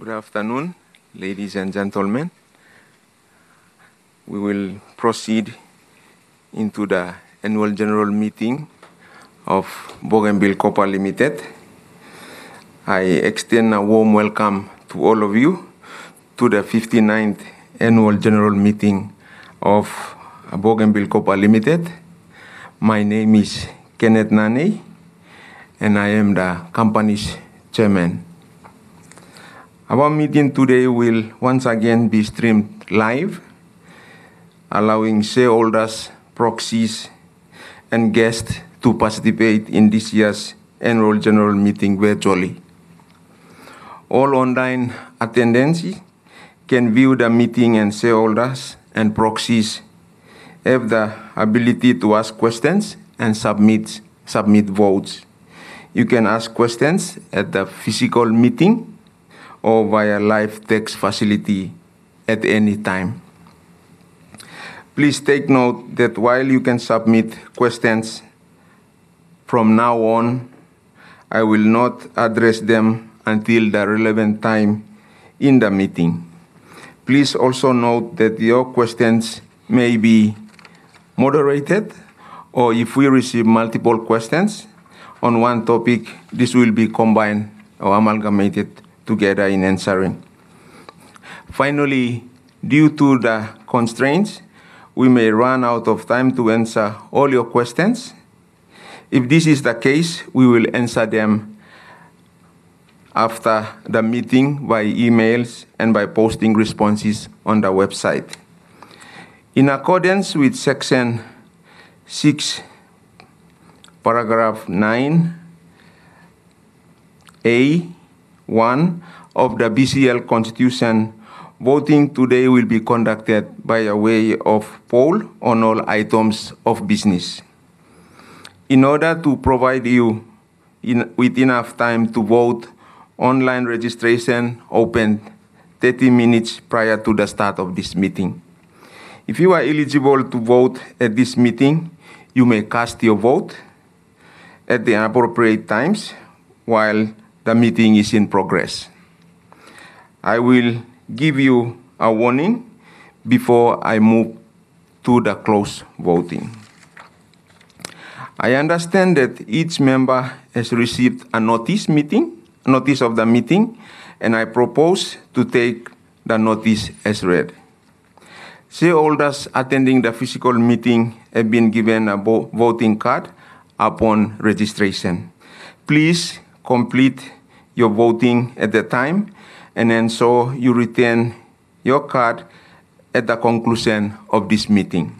Good afternoon, ladies and gentlemen. We will proceed into the annual general meeting of Bougainville Copper Limited. I extend a warm welcome to all of you to the 59th annual general meeting of Bougainville Copper Limited. My name is Kearnneth Nanei, and I am the company's chairman. Our meeting today will once again be streamed live, allowing shareholders, proxies, and guests to participate in this year's annual general meeting virtually. All online attendees can view the meeting, and shareholders and proxies have the ability to ask questions and submit votes. You can ask questions at the physical meeting or via live text facility at any time. Please take note that while you can submit questions from now on, I will not address them until the relevant time in the meeting. Please also note that your questions may be moderated, or if we receive multiple questions on one topic, this will be combined or amalgamated together in answering. Finally, due to the constraints, we may run out of time to answer all your questions. If this is the case, we will answer them after the meeting by emails and by posting responses on the website. In accordance with Section 6, Paragraph 9 [A1] of the BCL constitution, voting today will be conducted by a way of poll on all items of business. In order to provide you with enough time to vote, online registration opened 30 minutes prior to the start of this meeting. If you are eligible to vote at this meeting, you may cast your vote at the appropriate times while the meeting is in progress. I will give you a warning before I move to the closed voting. I understand that each member has received a notice of the meeting, and I propose to take the notice as read. Shareholders attending the physical meeting have been given a voting card upon registration. Please complete your voting at the time, and then so you return your card at the conclusion of this meeting.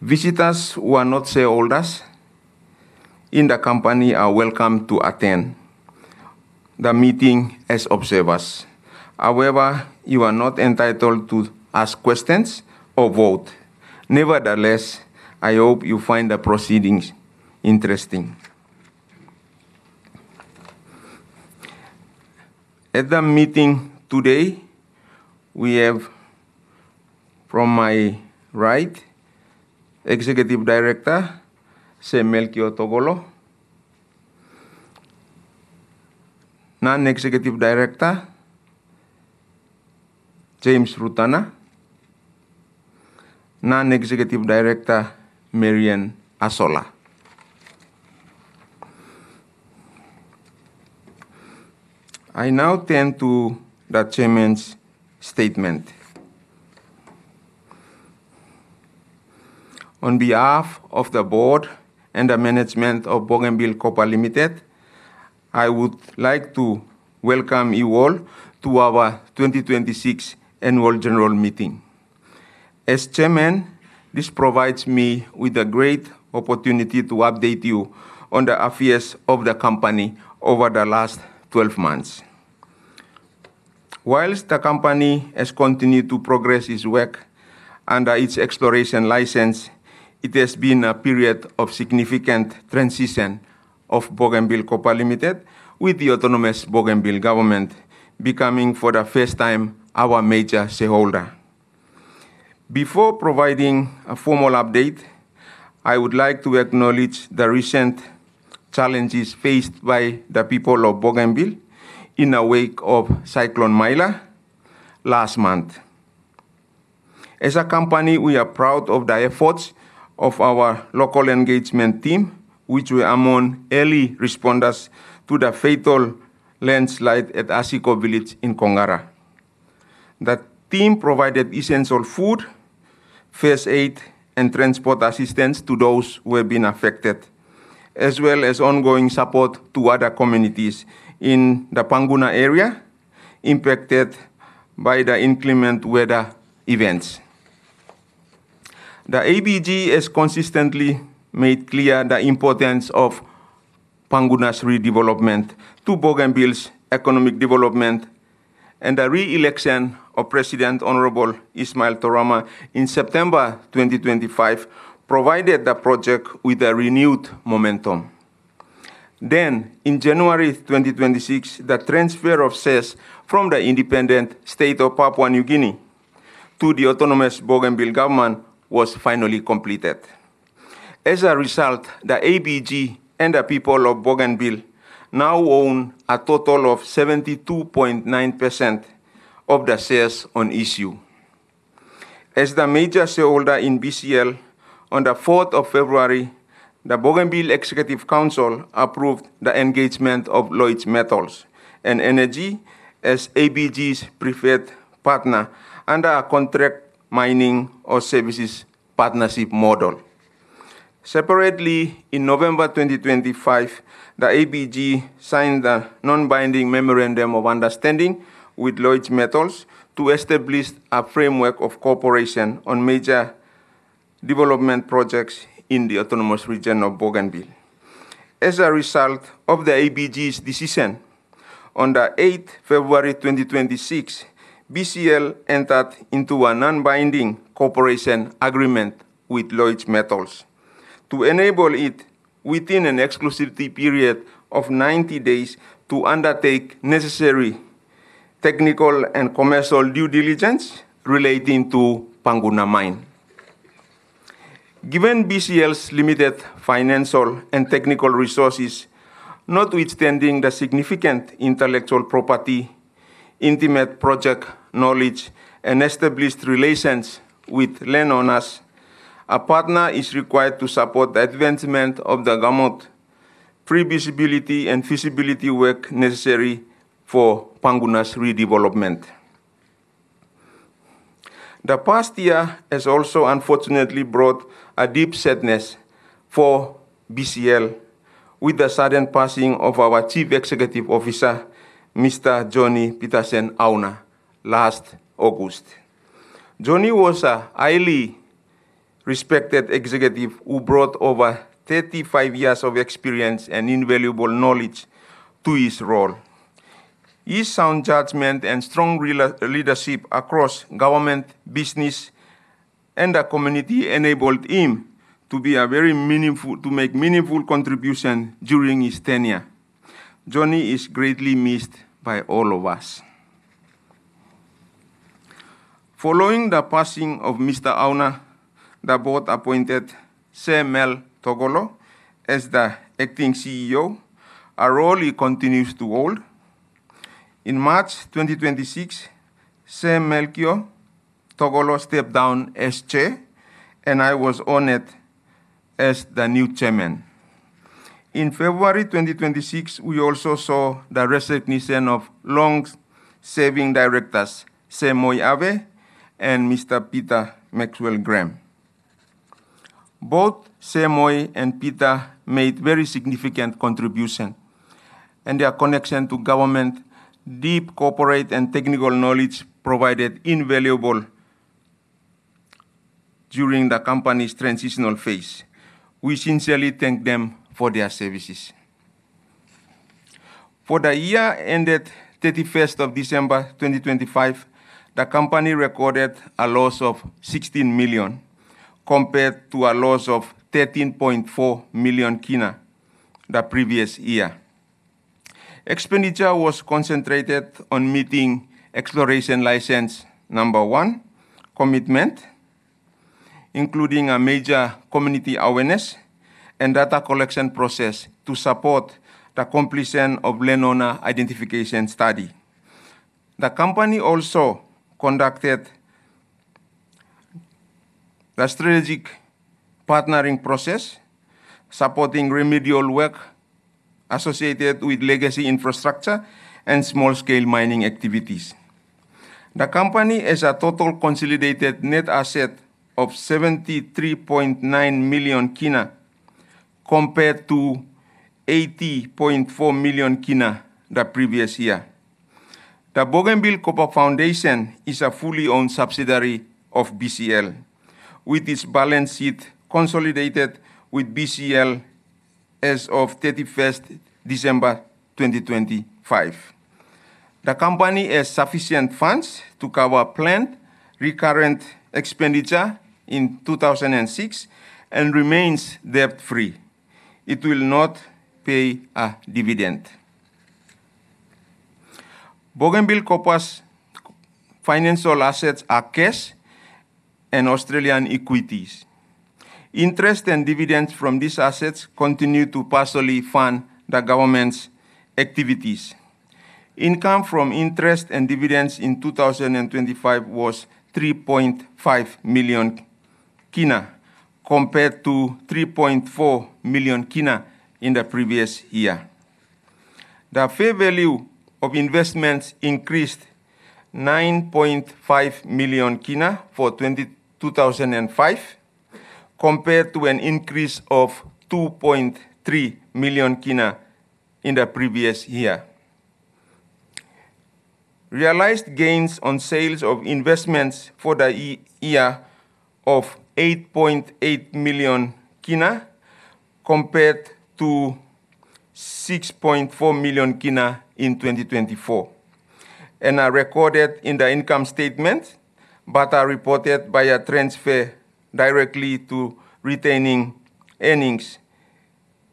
Visitors who are not shareholders in the company are welcome to attend the meeting as observers. However, you are not entitled to ask questions or vote. Nevertheless, I hope you find the proceedings interesting. At the meeting today, we have from my right, Executive Director Sir Melchior Togolo, Non-Executive Director James Rutana, Non-Executive Director Maryanne Hasola. I now turn to the chairman's statement. On behalf of the board and the management of Bougainville Copper Limited, I would like to welcome you all to our 2026 Annual General Meeting. As chairman, this provides me with a great opportunity to update you on the affairs of the company over the last 12 months. Whilst the company has continued to progress its work under its exploration license, it has been a period of significant transition of Bougainville Copper Limited, with the Autonomous Bougainville Government becoming for the first time our major shareholder. Before providing a formal update, I would like to acknowledge the recent challenges faced by the people of Bougainville in the wake of Cyclone Maila last month. As a company, we are proud of the efforts of our local engagement team, which were among early responders to the fatal landslide at Asiko Village in Kongara. The team provided essential food, first aid, and transport assistance to those who have been affected, as well as ongoing support to other communities in the Panguna area impacted by the inclement weather events. The ABG has consistently made clear the importance of Panguna's redevelopment to Bougainville's economic development. The re-election of President Honorable Ishmael Toroama in September 2025 provided the project with a renewed momentum. In January 2026, the transfer of shares from the Independent State of Papua New Guinea to the Autonomous Bougainville Government was finally completed. As a result, the ABG and the people of Bougainville now own a total of 72.9% of the shares on issue. As the major shareholder in BCL, on the 4th of February, the Bougainville Executive Council approved the engagement of Lloyds Metals and Energy Limited as ABG's preferred partner under a contract mining or services partnership model. Separately, in November 2025, the ABG signed a non-binding memorandum of understanding with Lloyds Metals to establish a framework of cooperation on major development projects in the Autonomous Region of Bougainville. As a result of the ABG's decision, on the 8th February 2026, BCL entered into a non-binding cooperation agreement with Lloyds Metals to enable it, within an exclusivity period of 90 days, to undertake necessary technical and commercial due diligence relating to Panguna Mine. Given BCL's limited financial and technical resources, notwithstanding the significant intellectual property, intimate project knowledge, and established relations with land owners, a partner is required to support the advancement of the gamut, pre-feasibility and feasibility work necessary for Panguna's redevelopment. The past year has also unfortunately brought a deep sadness for BCL with the sudden passing of our Chief Executive Officer, Mr. Johnny Patterson Auna, last August. Johnny was a highly respected executive who brought over 35 years of experience and invaluable knowledge to his role. His sound judgment and strong leadership across government, business, and the community enabled him to make meaningful contribution during his tenure. Johnny is greatly missed by all of us. Following the passing of Mr. Auna, the board appointed Sir Mel Togolo as the acting CEO, a role he continues to hold. In March 2026, Sir Melchior Togolo stepped down as Chairman. I was honored as the new Chairman. In February 2026, we also saw the resignation of long-serving directors, Sir Moi Avei and Mr. Peter Maxwell Graham. Both Sir Moi and Peter made very significant contribution. Their connection to government, deep corporate and technical knowledge provided invaluable during the company's transitional phase. We sincerely thank them for their services. For the year ended 31st of December 2025, the company recorded a loss of PGK 16 million compared to a loss of PGK 13.4 million the previous year. Expenditure was concentrated on meeting exploration licence number one commitment, including a major community awareness and data collection process to support the completion of landowner identification study. The company also conducted the strategic partnering process, supporting remedial work associated with legacy infrastructure and small-scale mining activities. The company has a total consolidated net asset of PGK 73.9 million compared to PGK 80.4 million the previous year. The Bougainville Copper Foundation is a fully owned subsidiary of BCL, with its balance sheet consolidated with BCL as of 31st December 2025. The company has sufficient funds to cover planned recurrent expenditure in 2006 and remains debt-free. It will not pay a dividend. Bougainville Copper's financial assets are cash and Australian equities. Interest and dividends from these assets continue to partially fund the government's activities. Income from interest and dividends in 2025 was PGK 3.5 million compared to PGK 3.4 million in the previous year. The fair value of investments increased PGK 9.5 million for 2005 compared to an increase of PGK 2.3 million in the previous year. Realized gains on sales of investments for the year of PGK 8.8 million compared to PGK 6.4 million in 2024 and are recorded in the income statement but are reported by a transfer directly to retaining earnings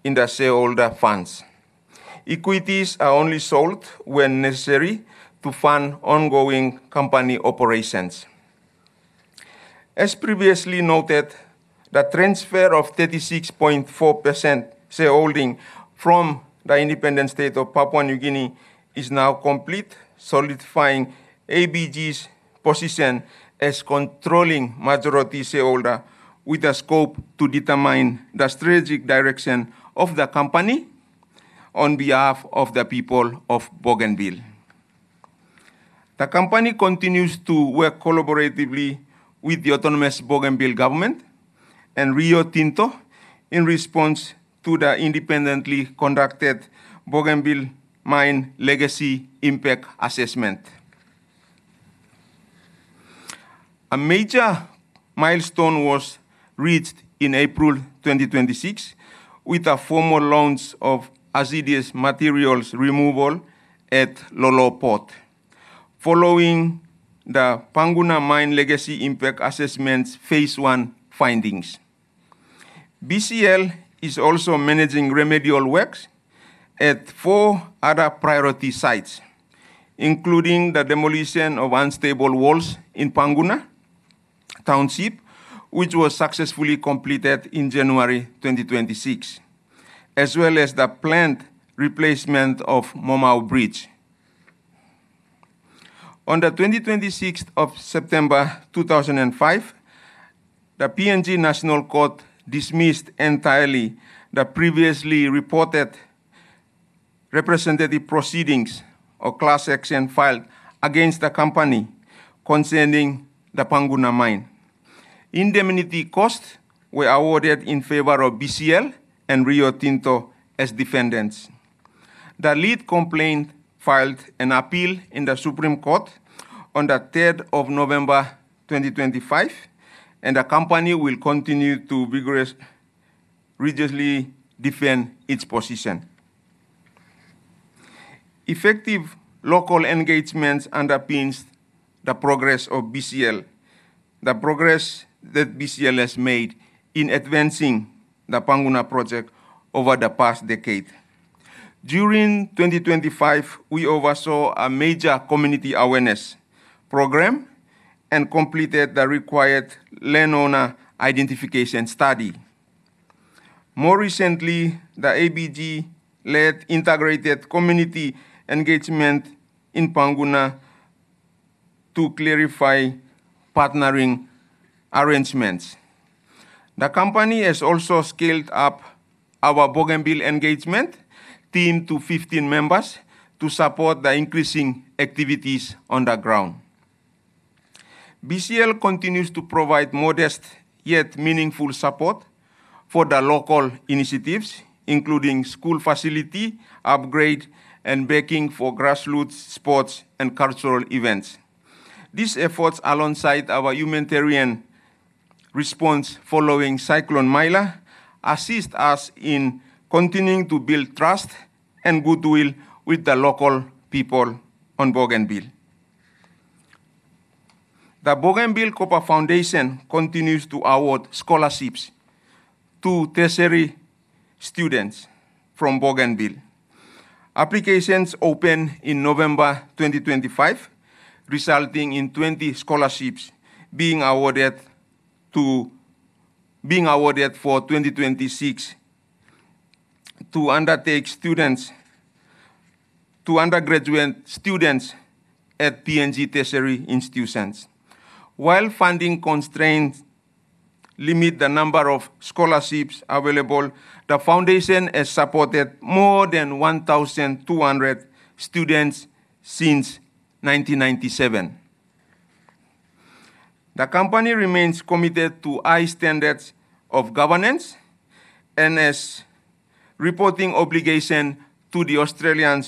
in the shareholder funds. Equities are only sold when necessary to fund ongoing company operations. As previously noted, the transfer of 36.4% shareholding from the Independent State of Papua New Guinea is now complete, solidifying ABG's position as controlling majority shareholder with the scope to determine the strategic direction of the company on behalf of the people of Bougainville. The company continues to work collaboratively with the Autonomous Bougainville Government and Rio Tinto in response to the independently conducted Panguna Mine Legacy Impact Assessment. A major milestone was reached in April 2026 with the formal launch of hazardous materials removal at Loloho Port, following the Panguna Mine Legacy Impact Assessment phase I findings. BCL is also managing remedial works at four other priority sites, including the demolition of unstable walls in Panguna Township, which was successfully completed in January 2026, as well as the planned replacement of Momau Bridge. On the 26th of September 2005, the PNG National Court dismissed entirely the previously reported representative proceedings of class action filed against the company concerning the Panguna Mine. Indemnity costs were awarded in favor of BCL and Rio Tinto as defendants. The lead complaint filed an appeal in the Supreme Court on the 3rd of November 2025, and the company will continue to vigorously defend its position. Effective local engagement underpins the progress of BCL, the progress that BCL has made in advancing the Panguna project over the past decade. During 2025, we oversaw a major community awareness program and completed the required landowner identification study. More recently, the ABG-led integrated community engagement in Panguna to clarify partnering arrangements. The company has also scaled up our Bougainville engagement team to 15 members to support the increasing activities on the ground. BCL continues to provide modest yet meaningful support for the local initiatives, including school facility upgrade and backing for grassroots sports and cultural events. These efforts, alongside our humanitarian response following Cyclone Maila, assist us in continuing to build trust and goodwill with the local people on Bougainville. The Bougainville Copper Foundation continues to award scholarships to tertiary students from Bougainville. Applications opened in November 2025, resulting in 20 scholarships being awarded for 2026 to undergraduate students at PNG tertiary institutions. While funding constraints limit the number of scholarships available, the foundation has supported more than 1,200 students since 1997. The company remains committed to high standards of governance and has reporting obligation to the Australian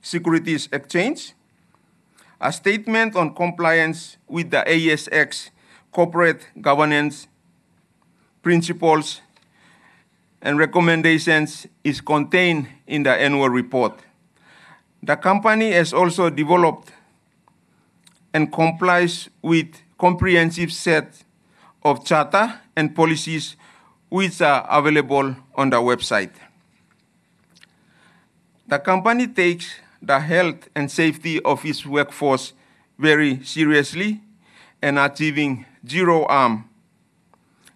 Securities Exchange. A statement on compliance with the ASX Corporate Governance Principles and Recommendations is contained in the annual report. The company has also developed and complies with comprehensive set of charter and policies which are available on the website. The company takes the health and safety of its workforce very seriously, and achieving zero harm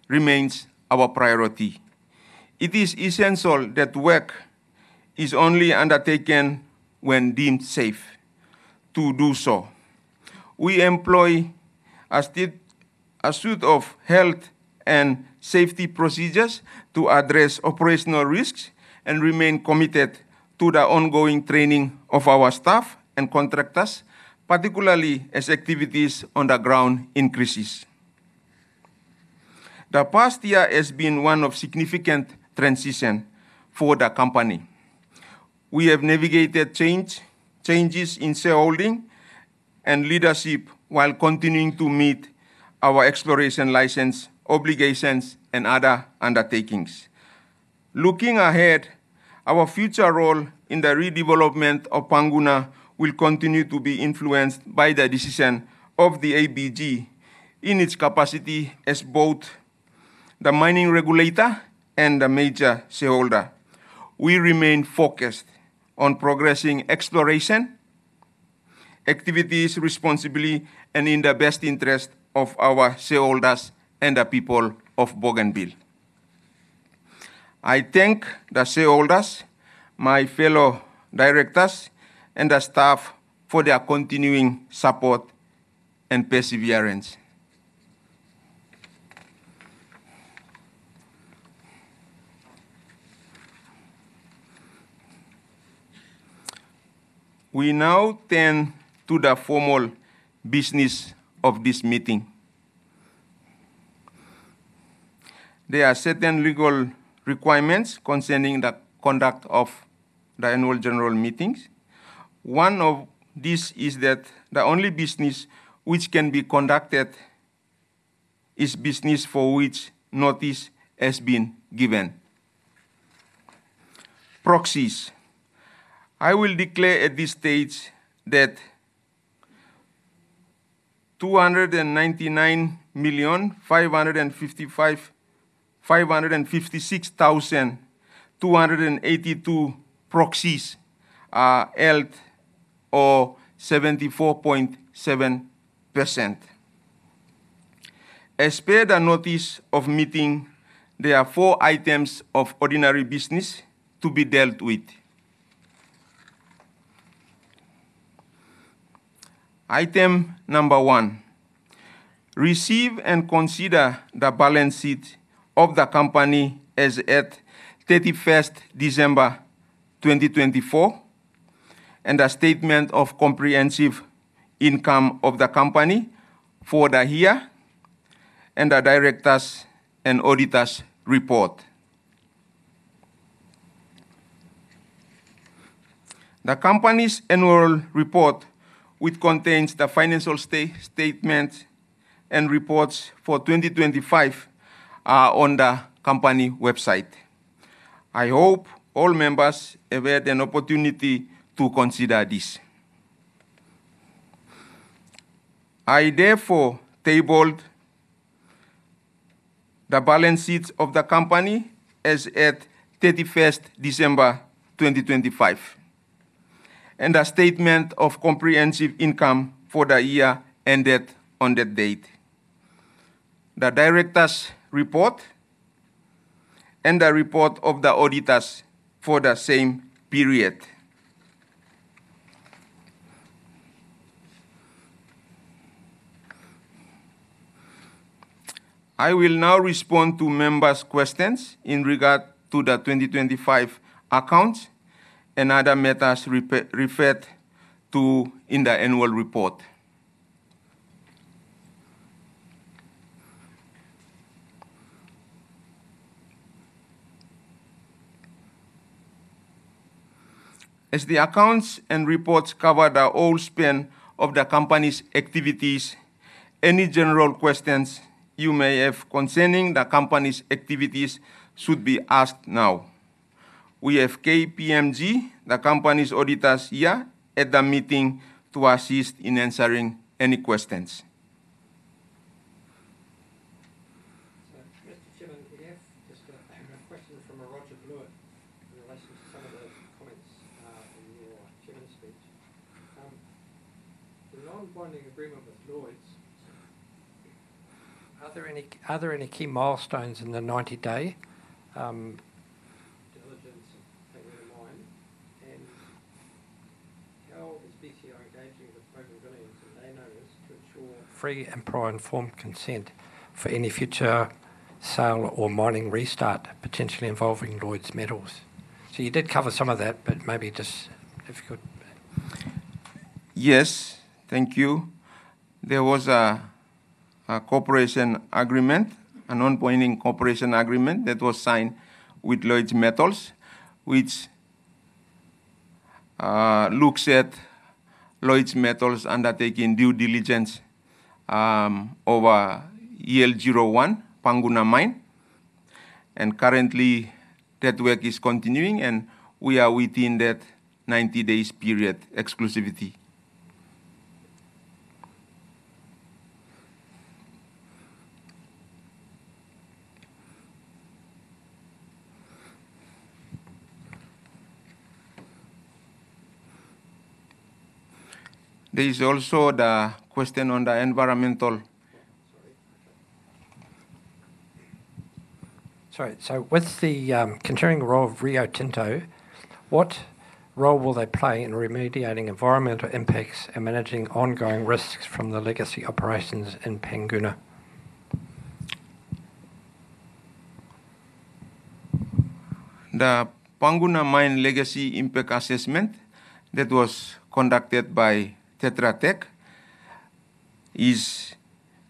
remains our priority. It is essential that work is only undertaken when deemed safe to do so. We employ a suite of health and safety procedures to address operational risks and remain committed to the ongoing training of our staff and contractors, particularly as activities on the ground increases. The past year has been one of significant transition for the company. We have navigated changes in shareholding and leadership while continuing to meet our exploration licence obligations and other undertakings. Looking ahead. Our future role in the redevelopment of Panguna will continue to be influenced by the decision of the ABG in its capacity as both the mining regulator and the major shareholder. We remain focused on progressing exploration activities responsibly and in the best interest of our shareholders and the people of Bougainville. I thank the shareholders, my fellow directors, and the staff for their continuing support and perseverance. We now turn to the formal business of this meeting. There are certain legal requirements concerning the conduct of the annual general meetings. One of these is that the only business which can be conducted is business for which notice has been given. Proxies. I will declare at this stage that 299,556,282 proxies are held or 74.7%. As per the notice of meeting, there are four items of ordinary business to be dealt with. Item number one, receive and consider the balance sheet of the company as at 31st December 2024, and a statement of comprehensive income of the company for the year, and the directors' and auditors' report. The company's annual report, which contains the financial statements and reports for 2025 are on the company website. I hope all members have had an opportunity to consider this. I therefore tabled the balance sheet of the company as at 31st December 2025, and a statement of comprehensive income for the year ended on that date, the director's report and the report of the auditors for the same period. I will now respond to members' questions in regard to the 2025 accounts and other matters referred to in the annual report. As the accounts and reports cover the whole span of the company's activities, any general questions you may have concerning the company's activities should be asked now. We have KPMG, the company's auditors, here at the meeting to assist in answering any questions. Mr. Chairman, if I have just a question from Roger Blewitt in relation to some of those comments in your Chairman's speech. With the non-binding agreement with Lloyds, are there any key milestones in the 90-day diligence of Panguna Mine? How is BCL engaging with the people of Bougainville and their owners to ensure free and prior informed consent for any future sale or mining restart potentially involving Lloyds Metals? You did cover some of that, but maybe just if you could. Yes. Thank you. There was a cooperation agreement, a non-binding cooperation agreement that was signed with Lloyds Metals, which looks at Lloyds Metals undertaking due diligence over EL01 Panguna Mine. Currently, that work is continuing, and we are within that 90 days period exclusivity. There is also the question on the environmental— Sorry. With the continuing role of Rio Tinto, what role will they play in remediating environmental impacts and managing ongoing risks from the legacy operations in Panguna? The Panguna Mine Legacy Impact Assessment that was conducted by Tetra Tech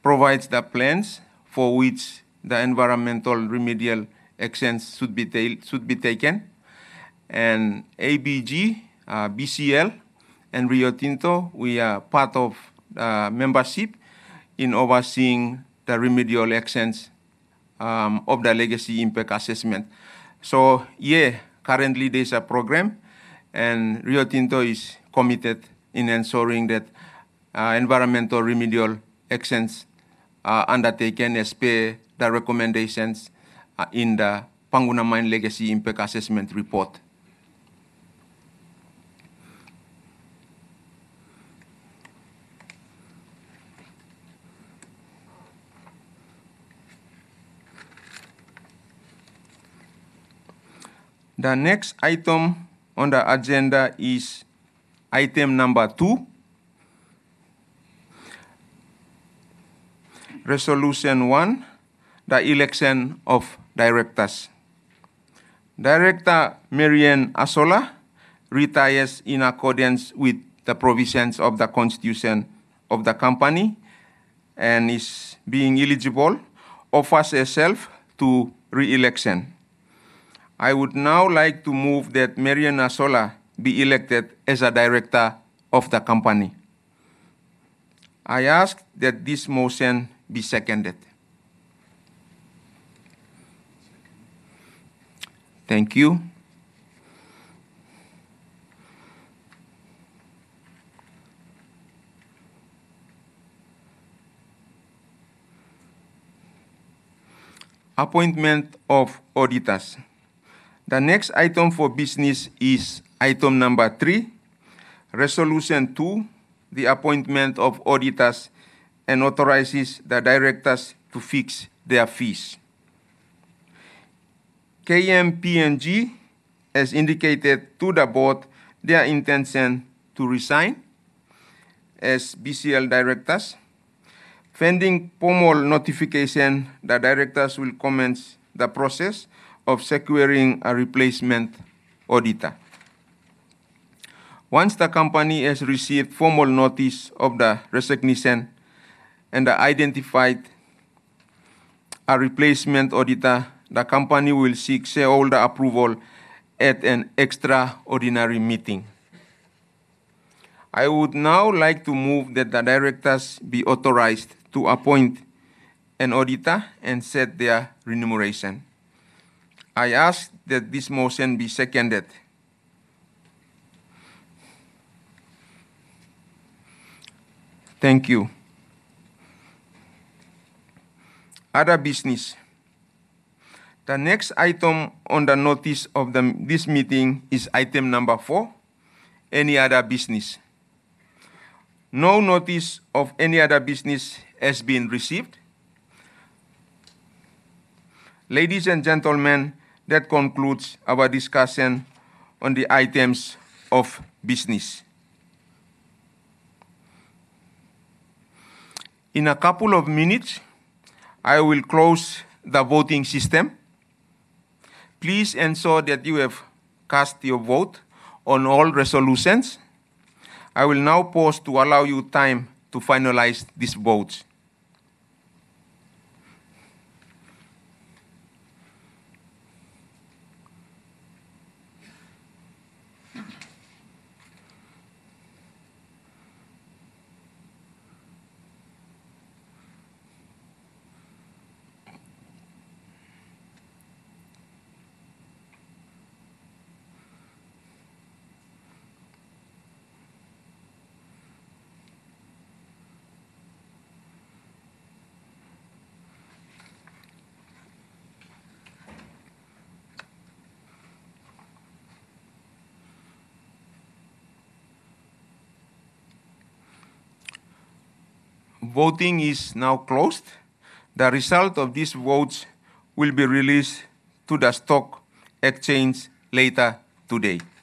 provides the plans for which the environmental remedial actions should be taken and ABG, BCL, and Rio Tinto, we are part of membership in overseeing the remedial actions of the Legacy Impact Assessment. Yeah, currently there's a program, and Rio Tinto is committed in ensuring that environmental remedial actions are undertaken as per the recommendations in the Panguna Mine Legacy Impact Assessment Report. The next item on the agenda is item number two. Resolution one, the election of directors. Director Maryanne Hasola retires in accordance with the provisions of the constitution of the company and is being eligible, offers herself to re-election. I would now like to move that Maryanne Hasola be elected as a director of the company. I ask that this motion be seconded. Second. Thank you. Appointment of auditors. The next item for business is item number three, resolution two, the appointment of auditors and authorizes the directors to fix their fees. KPMG has indicated to the board their intention to resign as BCL directors. Pending formal notification, the directors will commence the process of securing a replacement auditor. Once the company has received formal notice of the resignation and identified a replacement auditor, the company will seek shareholder approval at an extraordinary meeting. I would now like to move that the directors be authorized to appoint an auditor and set their remuneration. I ask that this motion be seconded. Thank you. Other business. The next item on the notice of this meeting is item number four, any other business. No notice of any other business has been received. Ladies and gentlemen, that concludes our discussion on the items of business. In a couple of minutes, I will close the voting system. Please ensure that you have cast your vote on all resolutions. I will now pause to allow you time to finalize these votes. Voting is now closed. The result of these votes will be released to the stock exchange later today. Thank you.